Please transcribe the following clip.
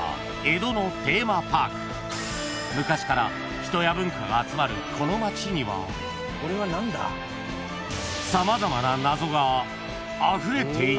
［昔から人や文化が集まるこの街には様々な謎があふれていた！？］